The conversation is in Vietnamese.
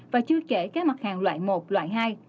và chưa kể các mặt hàng loại một loại hai